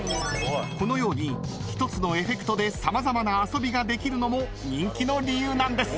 ［このように１つのエフェクトで様々な遊びができるのも人気の理由なんです］